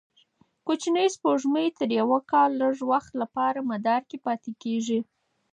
کوچنۍ سپوږمۍ تر یوه کال لږ وخت لپاره مدار کې پاتې کېږي.